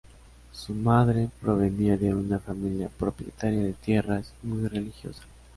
Su madre provenía de una familia propietaria de tierras y muy religiosa.